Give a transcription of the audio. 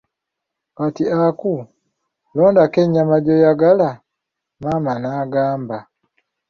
Kati Aku, londako ennyama gy'oyagala, maama n'agamba.